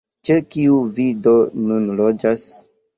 Ĉe kiu vi do nun loĝas?